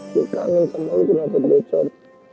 gue kangen sama lo kenapa beresor